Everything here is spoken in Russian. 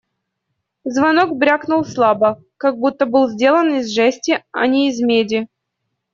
Звонок брякнул слабо, как будто был сделан из жести, а не из меди.